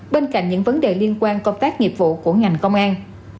bên cạnh những vấn đề liên quan công tác nghiệp vụ của ngành công an